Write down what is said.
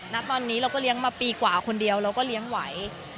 ณตอนนี้เราก็เลี้ยงมาปีกว่าคนเดียวเราก็เลี้ยงไหว